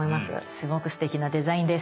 すごくすてきなデザインです